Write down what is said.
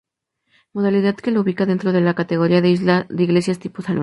Modalidad que la ubica dentro de la categoría de las iglesias tipo salón.